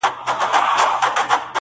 زه به هره ورځ پیاده پر دغو سړکانو.